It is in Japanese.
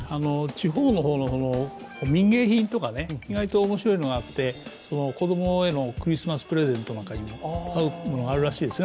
地方の民芸品とか、意外と面白いのがあって子供へのクリスマスプレゼントなんかにも合うものがあるらしいですよ。